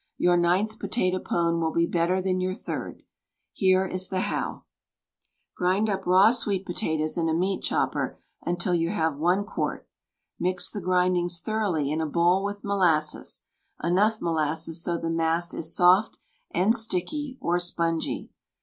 Your ninth potato pone will be better than your third. Here is the how: Grind up raw sweet potatoes in a meat chopper until you have one quart. Mix the grindings thoroughly in a bowl with molasses — enough molasses so the mass is soft and sticky, or spongy.